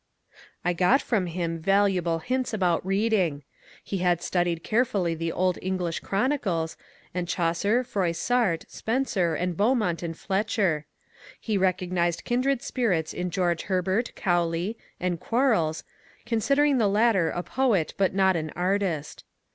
I got from him valuable hints about reading. He had studied caref uUy the old English Chronicles, and Chaucer, Froissart, Spenser, and Beaumont and Fletcher. He recognized kindred spirits in George Herbert, Cowley, and Quarles, considering the latter a poet but not an artist.